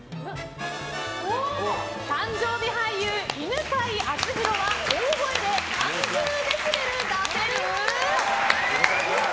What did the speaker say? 誕生日俳優・犬飼貴丈は大声で何十デシベル出せる？